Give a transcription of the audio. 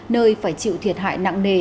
nơi phải chịu thiệt hại nặng nề